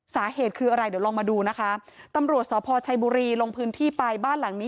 สาเหตุคืออะไรเดี๋ยวลองมาดูนะคะตำรวจสพชัยบุรีลงพื้นที่ไปบ้านหลังนี้